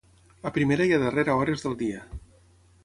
a primera i a darrera hores del dia